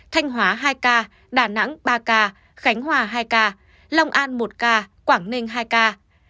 thanh hóa hai ca đà nẵng ba ca khánh hòa hai ca long an một ca quảng ninh hai ca